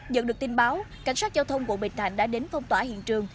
nhận được tin báo cảnh sát giao thông quận bình thạnh đã đến phong tỏa hiện trường